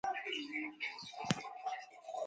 د لمر وړانګې تودې وې.